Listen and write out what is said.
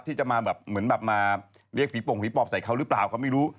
ที่จะมาแบบเหมือนแบบมาเรียกผีโป่งผีปอบใส่เขาหรือเปล่าก็ไม่รู้